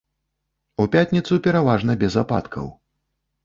У пятніцу пераважна без ападкаў.